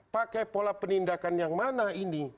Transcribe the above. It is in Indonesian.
pakai pola penindakan yang mana ini